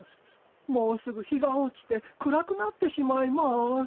もうすぐ日が落ちて暗くなってしまいます。